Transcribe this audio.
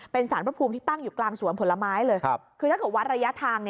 เป็นสารพระภูมิที่ตั้งอยู่กลางสวนผลไม้เลย